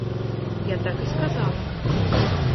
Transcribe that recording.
Я так і сказала.